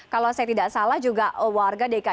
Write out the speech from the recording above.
kalau saya tidak salah juga warga dki jakarta